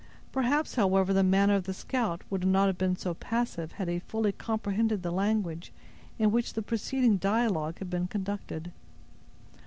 Perhaps, however, the manner of the scout would not have been so passive, had he fully comprehended the language in which the preceding dialogue had been conducted.